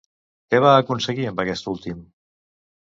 Què va aconseguir amb aquest últim?